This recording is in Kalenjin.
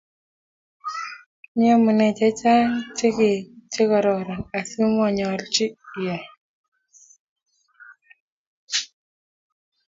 mi omunee chechang chekororon asi monyolchin iyai